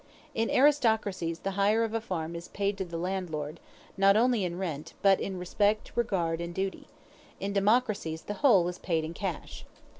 In aristocracies the hire of a farm is paid to the landlord, not only in rent, but in respect, regard, and duty; in democracies the whole is paid in cash.